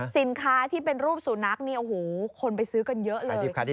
สินค้าที่เป็นรูปสูนักคนไปซื้อกันเยอะเลย